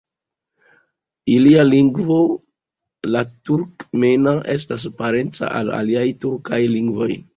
Ilia lingvo, la turkmena, estas parenca al aliaj tjurkaj lingvoj.